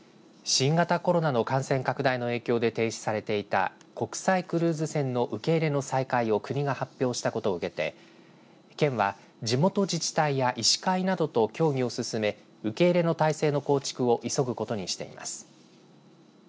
新型コロナの感染拡大の影響で停止されていた国際クルーズ船の受け入れの再開を国が発表したことを受けて県は地元自治体や医師会などと協議を進め受け入れの態勢の構築を急ぐことにしています。